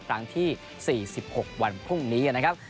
ครั้งที่๔๖วันพรุ่งนี้นะครับ